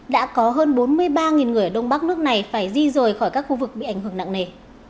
đã có hơn bốn mươi ba người ở đông bắc nước này phải di rời khỏi các khu vực bị ảnh hưởng nặng nề